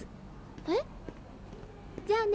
えっ？じゃあね。